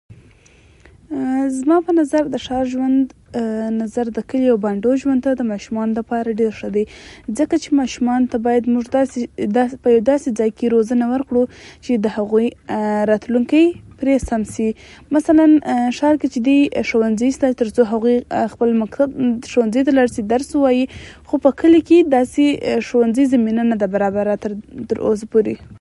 ستا په نظر ،که چيرې موږ د خپلو ځنګلونو ساتنه ونه کړو ،نو راتلونکي نسلونه به له کومو لويو چاپيريالي ننګونو سره مخ شي ؟